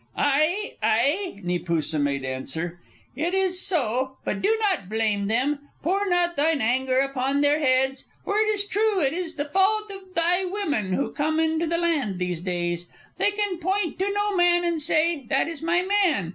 "Ai! Ai!" Neepoosa made answer. "It is so. But do not blame them. Pour not thine anger upon their heads. For it is true it is the fault of thy women who come into the land these days. They can point to no man and say, 'That is my man.'